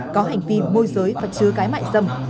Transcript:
có hành vi môi giới và chứa cái mại dâm